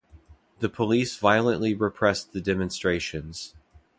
The police violently repress the demonstrations.